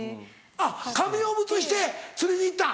あっ紙おむつして釣りに行った。